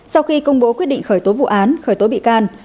sau khi công bố quyết định khởi tố vụ án khởi tố bị can